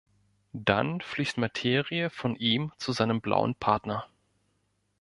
Dann fließt Materie von ihm zu seinem blauen Partner.